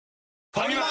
ファミマ！